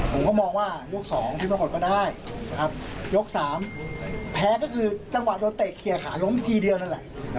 ผมก็มองว่ายก๒ที่ปรากฏก็ได้นะครับยก๓แพ้ก็คือจังหวะโดนเตะเคลียร์ขาล้มทีเดียวนั่นแหละ